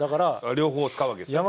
両方使うわけですね。